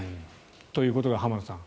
ということが浜田さん